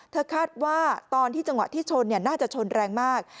เธอคาดพี่ตอนจังหวะที่ชนน่าจะชนแรงมาก